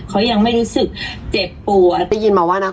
เคยนอนอะเค้าน่าจะพบคุณสถานทีบ้าง